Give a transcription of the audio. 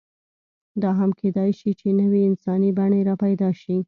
دا هم کېدی شي، چې نوې انساني بڼې راپیدا شي.